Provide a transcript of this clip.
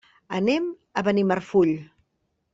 Anem a Benimarfull.